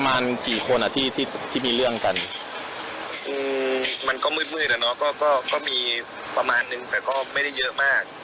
มันก็มืดอ่ะเนาะก็มีประมาณนึงแต่ก็ไม่ได้เยอะมาก